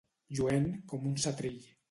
Lluent com un setrill.